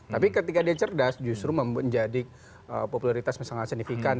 tapi ketika dia cerdas justru menjadi popularitas yang sangat signifikan